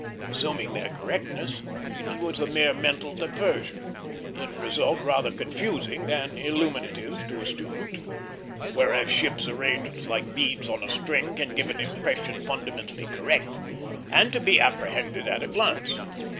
Assuming their correctness, it was a mere mental diversion, in result rather confusing than illuminative to a student; whereas ships arranged like beads on a string can give an impression fundamentally correct, and to be apprehended at a glance.